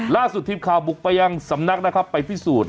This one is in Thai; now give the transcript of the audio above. ล่าสุดทีมข่าวบุกไปยังสำนักนะครับไปพิสูจน์